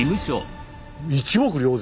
一目瞭然！